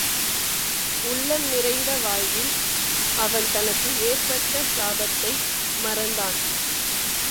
உள்ளம் நிறைந்த வாழ்வில் அவன் தனக்கு ஏற்பட்ட சாபத்தை மறந்தான்.